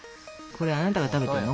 これあなたが食べてるの？